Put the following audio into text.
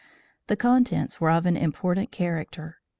The contents were of an important character.